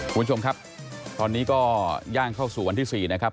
คุณผู้ชมครับตอนนี้ก็ย่างเข้าสู่วันที่๔นะครับ